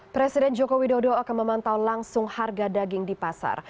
presiden joko widodo akan memantau langsung harga daging di pasar